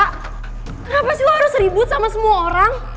kenapa sih harus ribut sama semua orang